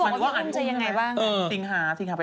เขาบอกว่าที่ต้องใจยังไงบ้าง